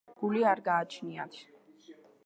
გული არ გააჩნიათ.